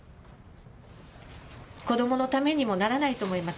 子どものためにもならないと思います。